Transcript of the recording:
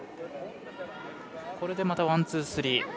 これでまたワン、ツー、スリー。